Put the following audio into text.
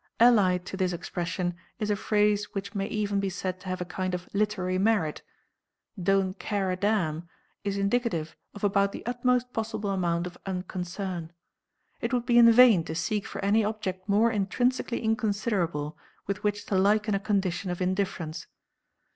Allied to this expression is a phrase which may even be said to have a kind of literary merit. "Don't care a damn" is indicative of about the utmost possible amount of unconcern. It would be in vain to seek for any object more intrinsically inconsiderable with which to liken a condition of indifference.